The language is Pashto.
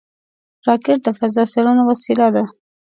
راکټ د فضا څېړنو وسیله ده